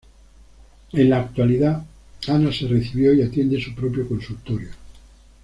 En la actualidad, Ana se recibió y atiende su propio consultorio.